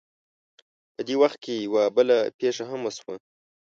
په دې وخت کې یوه بله پېښه هم وشوه.